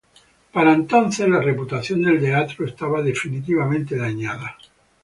Para entonces, la reputación del teatro estaba definitivamente dañada.